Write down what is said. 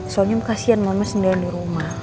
soalnya kasian mama senayan di rumah